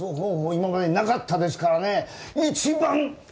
今まで、なかったですからね！